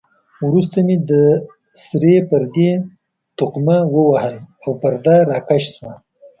وروسته مې د سرې پردې تقمه ووهل او پرده را کش شوه.